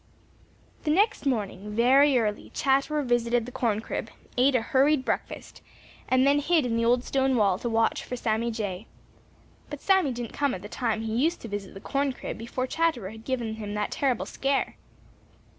The next morning, very early, Chatterer visited the corn crib, ate a hurried breakfast, and then hid in the old stone wall to watch for Sammy Jay. But Sammy didn't come at the time he used to visit the corn crib before Chatterer had given him that terrible scare.